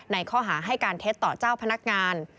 ในข้อหาให้การเท็จต่อเจ้าพนักงาน